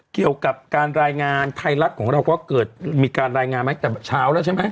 เกี่ยวกับการรายงานไทยรัฐของเราก็เกิดมีการรายงานมาตั้งแต่เช้าแล้วใช่ไหม